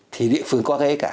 thì địa phương có cái gì cả